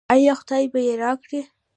آیا خدای به یې راکړي؟